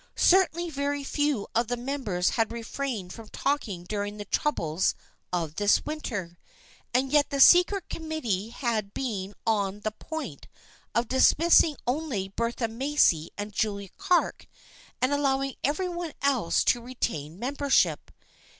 Certainly very few of the members had refrained from talking during the troubles of this winter, and yet the secret committee had been on the point of dismissing only Bertha Macy and Julia Clark and allowing every one else to re tain membership.